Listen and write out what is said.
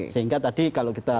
sehingga tadi kalau kita